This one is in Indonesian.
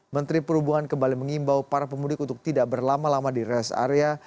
menteri perhubungan kembali mengimbau para pemudik untuk tidak berlama lama di rest area